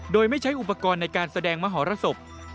โดยไม่ใช้อุปกรณ์ในการแสดงมหรสบ